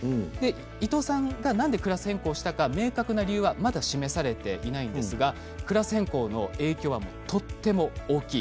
伊藤さんがなんでクラス変更したか明確な理由はまだ示されていないんですがクラス変更の影響はとっても大きい。